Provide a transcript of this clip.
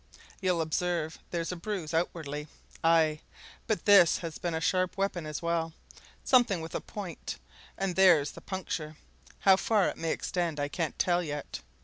You'll observe there's a bruise outwardly aye, but this has been a sharp weapon as well, something with a point, and there's the puncture how far it may extend I can't tell yet.